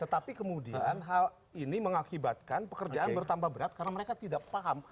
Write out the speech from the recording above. tetapi kemudian hal ini mengakibatkan pekerjaan bertambah berat karena mereka tidak paham